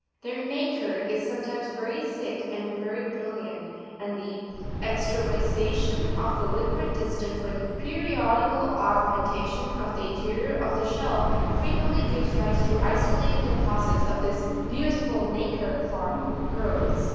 Their nacre is sometimes very thick and very brilliant ; and the extravasa tion of the liquid destined for the periodical augmentation of the in terior of the shell, frequently gives _ rise to isolated deposits of this Fig. 96.—MELEAGRINA beautiful nacre, forming pearls.